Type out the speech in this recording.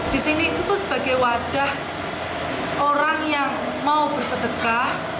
di sini itu sebagai wadah orang yang mau bersedekah